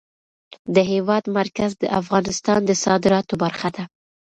د هېواد مرکز د افغانستان د صادراتو برخه ده.